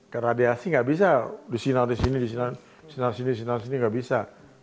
keradiasi nggak bisa disinal disini disinal sini disinal sini nggak bisa